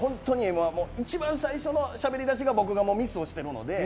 Ｍ‐１、一番最初のしゃべり僕がミスしているので。